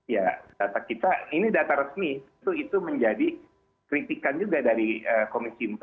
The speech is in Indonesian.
ya data kita ini data resmi itu menjadi kritikan juga dari komisi empat